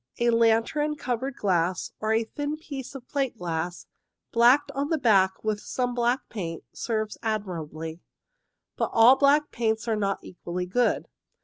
A lantern cover glass, or a thin piece of plate glass, blacked on the back with some black paint, serves admirably. But all black paints are not equally good.